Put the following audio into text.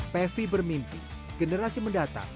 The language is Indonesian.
pevi bermimpi generasi mendatang